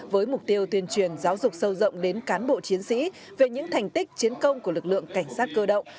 với mục tiêu tuyên truyền giáo dục sâu rộng đến cán bộ chiến sĩ về những thành tích chiến công của lực lượng cảnh sát cơ động